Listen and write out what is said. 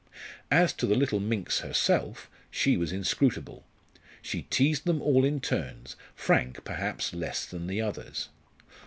As to the little minx herself, she was inscrutable. She teased them all in turns, Frank, perhaps, less than the others.